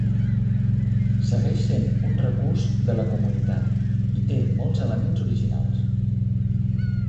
Segueix sent un recurs de la comunitat i té molts elements originals.